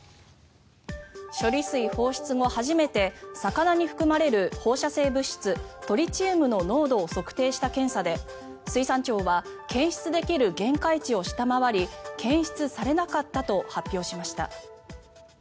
処理水放出後初めて魚に含まれる放射性物質トリチウムの濃度を測定した検査で水産庁は検出できる限界値を下回り検出されなかったと発表しました。